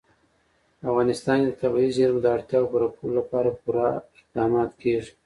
په افغانستان کې د طبیعي زیرمو د اړتیاوو پوره کولو لپاره پوره اقدامات کېږي.